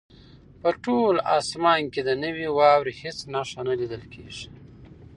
په ټول اسمان کې د نوې واورې هېڅ نښه نه لیدل کېده.